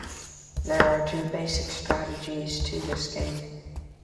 There are two basic strategies to this game.